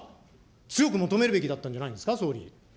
強く求めるべきだったんじゃないんですか、総理。